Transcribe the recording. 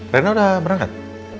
rena udah berangkat